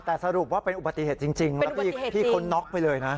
แต่สรุปว่าเป็นอุบัติเหตุจริงแล้วพี่เขาน็อกไปเลยนะ